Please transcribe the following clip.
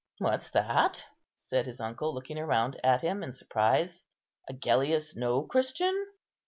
"What's that?" said his uncle, looking round at him in surprise; "Agellius no Christian?"